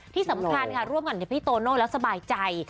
ที่สำคัญค่ะร่วมกันกับพี่โตโน่แล้วสบายใจ